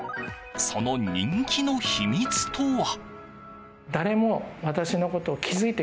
その人気の秘密とは。